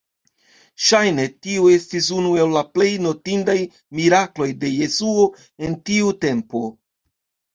Ŝajne, tiu estis unu el la plej notindaj mirakloj de Jesuo en tiu tempo.